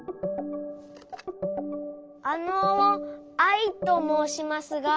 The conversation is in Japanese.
あのアイともうしますが。